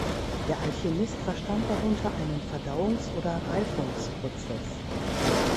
Der Alchemist verstand darunter einen Verdauungs- oder Reifungsprozess.